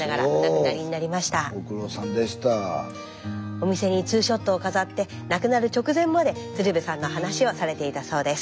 お店にツーショットを飾って亡くなる直前まで鶴瓶さんの話をされていたそうです。